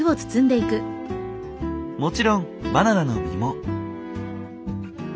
もちろんバナナの実も。